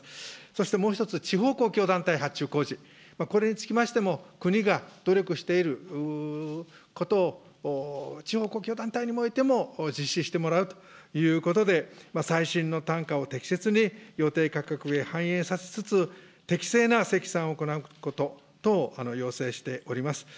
そしてもう１つ、地方公共団体発注工事、これにつきましても、国が努力していることを地方公共団体においても実施してもらうということで、最新のたんかを適切に予定価格へ反映させつつ、適正な積算を行うこと等を要請しております。